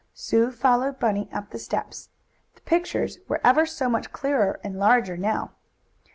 Sue followed Bunny up the steps. The pictures were ever so much clearer and larger now.